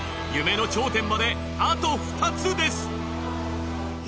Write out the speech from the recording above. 夢の頂点まであと２つです！